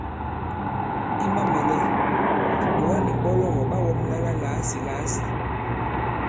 I mamɛ̀lɛ, kìɓòga nì mbɔlɔgɔ̀ ɓa wɔ̄mla la làasìlàasì.